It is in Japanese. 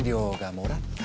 もらった。